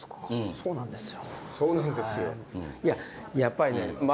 そうなんですよ。